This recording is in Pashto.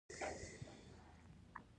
ملګری د ژوند ملګری دی